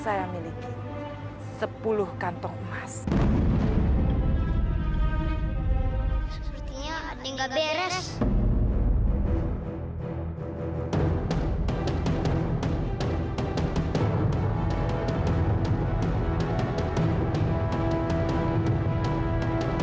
saya terima kasih yang kamu numbersth wiki terimakasihnom